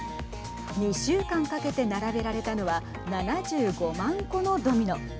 ２週間かけて並べられたのは７５万個のドミノ。